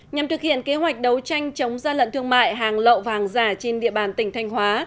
nhằm thực hiện kế hoạch đấu tranh chống gian lận thương mại hàng lậu vàng giả trên địa bàn tỉnh thanh hóa